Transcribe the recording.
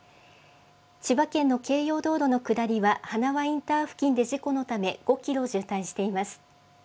千葉県の京葉道路の下りは、はなわインター付近で事故のため、５キロ渋滞しています。